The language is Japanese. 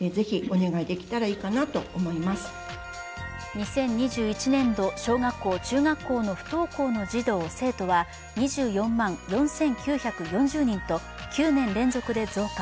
２０２１年度、小学校・中学校の不登校の児童・生徒は２４万４９４０人と９年連続で増加。